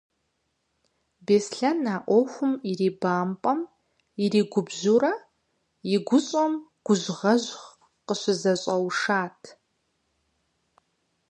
Беслъэн а ӏуэхум ирибампӀэм, иригубжьурэ, и гущӀэм гужьгъэжь къыщызэщӀэушат.